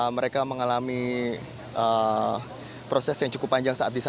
mereka mengalami proses yang cukup panjang saat disandera